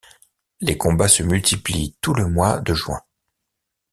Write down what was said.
Les combats se multiplient tout le mois de juin.